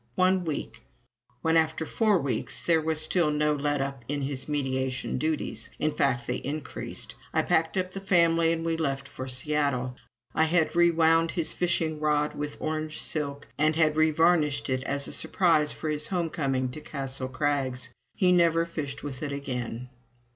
One week! When, after four weeks, there was still no let up in his mediation duties, in fact they increased, I packed up the family and we left for Seattle. I had rewound his fishing rod with orange silk, and had revarnished it, as a surprise for his home coming to Castle Crags. He never fished with it again.